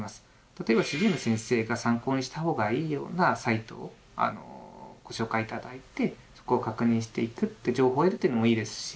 例えば主治医の先生に参考にした方がいいようなサイトをご紹介頂いてそこを確認していく情報を得るというのもいいですし。